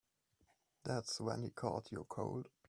That's when he caught your cold.